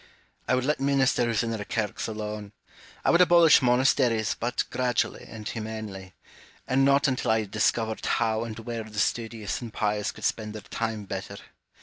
Hume. I would let ministers and their kirks alone. I would abolish monasteries, but gradually and humanely; and not until I had discovered how and where the studious and pious could spend their time better.